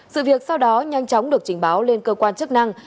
sự việc sau đó nhanh chóng được trình báo lên cơ quan chức năng